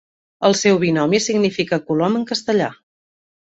El seu binomi significa colom en castellà.